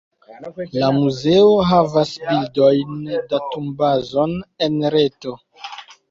La muzeo havas bildojn-datumbazon en reto.